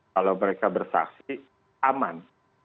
kalau mereka bersaksi aman